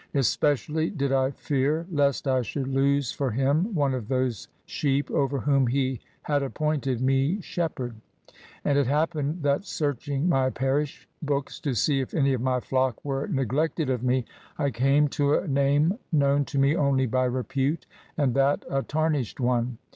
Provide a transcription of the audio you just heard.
Especially did I fear lest I should lose for Him one of those sheep over whom He had appointed me shepherd ; and it happened that searching my parish books to see if any of my flock were neglected of me, I came to a name known to me only by repute, and that a tarnished one.